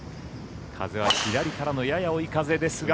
風は左からのやや追い風ですが。